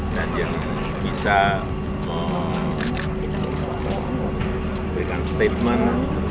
dan yang bisa memberikan statement